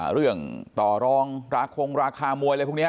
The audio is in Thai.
เรื่องต่อรองราคงราคามวยอะไรพวกนี้